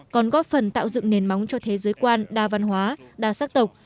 còn góp phần tạo dựng nền móng cho thế giới quan đa văn hóa đa sắc tộc